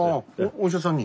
お医者さんに。